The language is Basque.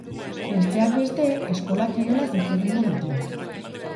Besteak beste, eskola kirolaz hitz egingo dute.